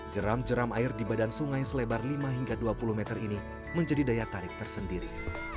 jeram jeram air di badan sungai selebar lima hingga dua puluh meter ini menjadi daya tarik tersendiri